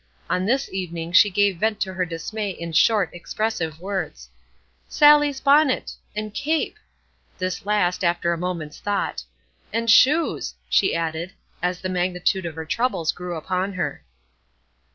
On this evening she gave vent to her dismay in short, expressive words: "Sallie's bonnet!" "And cape!" This last, after a moment's thought. "And shoes!" she added, as the magnitude of her troubles grew upon her.